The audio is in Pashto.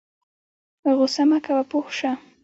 غوسه مه کوه پوه شه